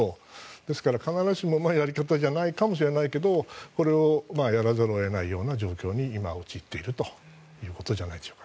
ですからうまいやり方とは言えないけどこれをやらざるを得ないような状況に陥ってるということじゃないでしょうか。